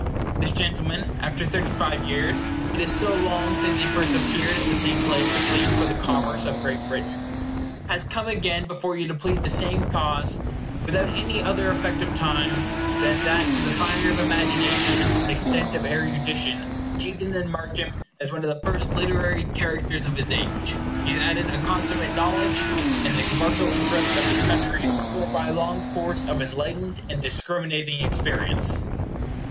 This gentleman, after thirty five years it is so long since he first appeared at the same place to plead for the commerce of Great Britain has come again before you to plead the same cause, without any other effect of time, than that to the fire of imagination and extent of erudition which even then marked him as one of the first literary characters of his age, he has added a consummate knowledge in the commercial interest of his country, formed by a long course of enlightened and discriminating experience.